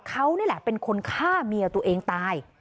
เขานี่แหละเป็นคนฆ่าเมียตัวเองตาย